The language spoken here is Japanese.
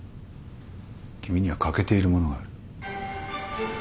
君には欠けているものがある。